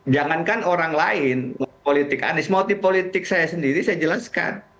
jangankan orang lain politik anies motif politik saya sendiri saya jelaskan